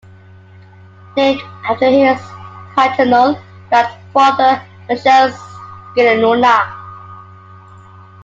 Named after his paternal grandfather Michele Scicluna.